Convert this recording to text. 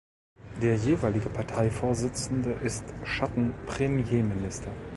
Der jeweilige Parteivorsitzende ist „Schatten-Premierminister“.